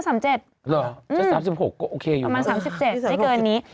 จะ๓๖ก็โอเคอยู่ประมาณ๓๗ไม่เกินนี้